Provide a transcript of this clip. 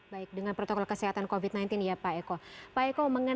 baik dengan protokol kesehatan covid sembilan belas ya pak eko